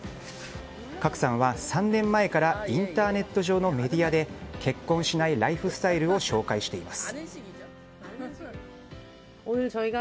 クァクさんは３年前からインターネット上のメディアで結婚しないライフスタイルを紹介しています。